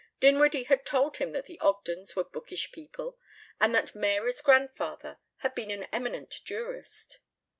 Dinwiddie had told him that the Ogdens were bookish people and that "Mary's" grandfather had been an eminent jurist.